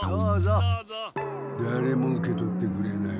だれも受け取ってくれない。